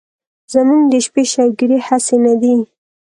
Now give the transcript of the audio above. زمونږ د شپې شوګيرې هسې نه دي